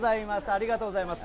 ありがとうございます。